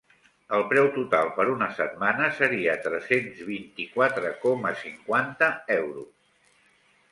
El preu total per una setmana seria tres-cents vint-i-quatre coma cinquanta euros.